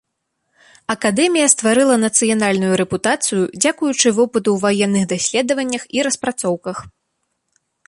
Акадэмія стварыла нацыянальную рэпутацыю дзякуючы вопыту ў ваенных даследаваннях і распрацоўках.